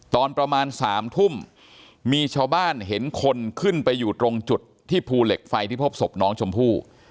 ตอนประมาณ๓ทุ่มมีชาวบ้านเห็นคนขึ้นไปอยู่ตรงจุดที่ภูเหล็กไฟที่พบศพน้องชมพู่